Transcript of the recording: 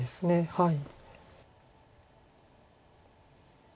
はい。